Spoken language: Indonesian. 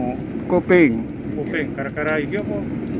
sekalian miripin pengalaman sudah dikasih